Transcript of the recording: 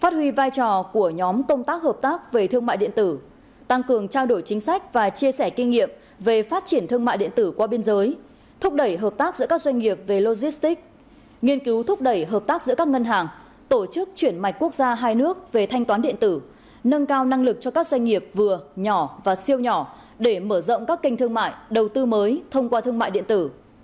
tăng cường trao đổi chính sách và chia sẻ kinh nghiệm về phát triển thương mại điện tử qua biên giới thúc đẩy hợp tác giữa các doanh nghiệp về logistics nghiên cứu thúc đẩy hợp tác giữa các ngân hàng tổ chức chuyển mạch quốc gia hai nước về thanh toán điện tử nâng cao năng lực cho các doanh nghiệp vừa nhỏ và siêu nhỏ để mở rộng các kênh thương mại đầu tư mới thông qua thương mại điện tử